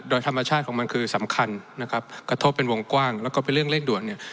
โดยธรรมชาติของมันคือสำคัญนะครับกระทบเป็นวงกว้างแล้วก็เป็นเรื่องเร่งด่วนเนี่ย